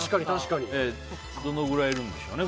どのくらいいるんでしょうね。